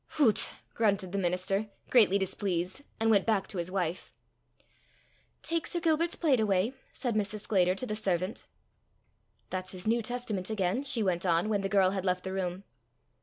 "Hoots!" grunted the minister, greatly displeased, and went back to his wife. "Take Sir Gilbert's plate away," said Mrs. Sclater to the servant. "That's his New Testament again!" she went on, when the girl had left the room.